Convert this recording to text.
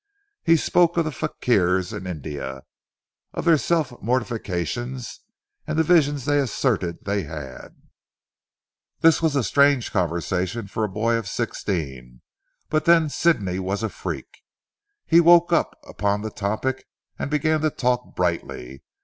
He spoke of the fakirs in India, of their self mortifications, and the visions they asserted they had. This was strange conversation for a boy of sixteen, but then Sidney was a freak. He woke up upon this topic, and began to talk brightly.